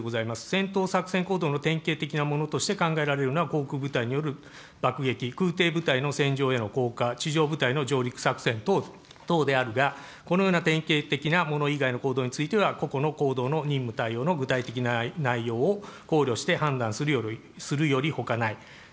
戦闘作戦行動の典型的なものとして考えられるのは、航空部隊における爆撃、空てい部隊の戦場への降下、地上部隊の上陸作戦等であるが、このような典型的なもの以外の行動については、個々の行動の任務対応の具体的な内容を考慮して判断するよりほかない。